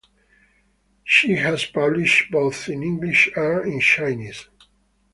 She has published both in English and in Chinese.